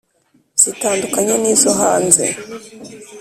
zitandukanye nizo hanze